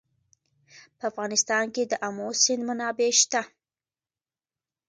په افغانستان کې د آمو سیند منابع شته.